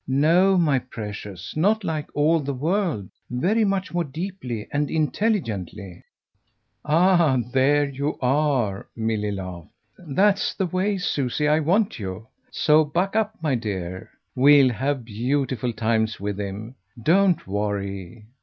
"No, my precious, not like all the world. Very much more deeply and intelligently." "Ah there you are!" Milly laughed. "That's the way, Susie, I want you. So 'buck' up, my dear. We'll have beautiful times with him. Don't worry."